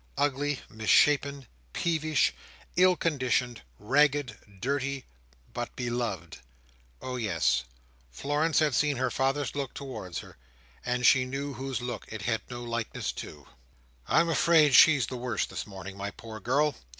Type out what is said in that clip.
Ugly, misshapen, peevish, ill conditioned, ragged, dirty—but beloved! Oh yes! Florence had seen her father's look towards her, and she knew whose look it had no likeness to. "I'm afraid she's worse this morning, my poor girl!"